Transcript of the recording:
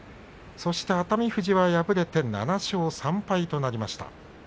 そして熱海富士は敗れて７勝３敗となりました。